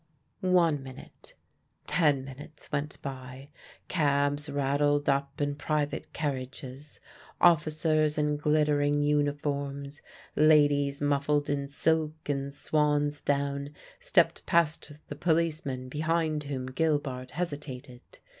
One minute ten minutes went by. Cabs rattled up and private carriages; officers in glittering uniforms, ladies muffled in silk and swansdown stepped past the policeman behind whom Gilbart hesitated.